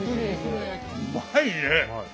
うまいね！